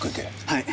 はい。